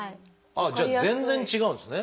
じゃあ全然違うんですね。